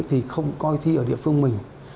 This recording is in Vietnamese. thì không coi thi ở địa phương mình